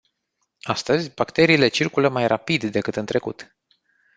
Astăzi, bacteriile circulă mai rapid decât în trecut.